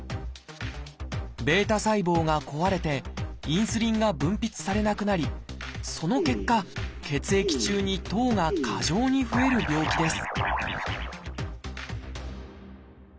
β細胞が壊れてインスリンが分泌されなくなりその結果血液中に糖が過剰に増える病気です